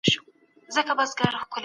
دې ملت په لنډ وخت کي ډېر پرمختګ کړی دی.